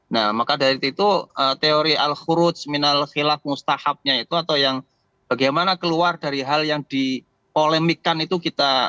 nah maka dari itu teori al huruj minal khilaf mustahabnya itu atau yang bagaimana keluar dari hal yang dipolemikan itu kita